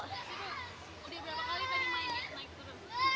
kamu kenapa sih suka main yang ini